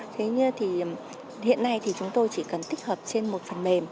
thế nhưng thì hiện nay thì chúng tôi chỉ cần tích hợp trên một phần mềm